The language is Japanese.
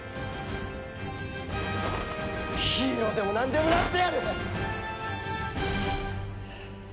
ヒーローでもなんでもなってやる！